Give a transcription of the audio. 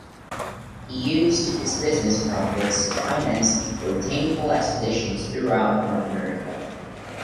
He used his business profits to finance botanical expeditions throughout North America.